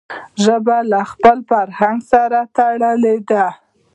ژبه له خپل فرهنګ سره تړلي ده.